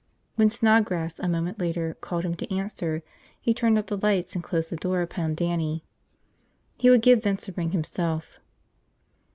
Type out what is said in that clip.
When Snodgrass, a moment later, called him to answer, he turned out the lights and closed the door upon Dannie. He would give Vince a ring himself.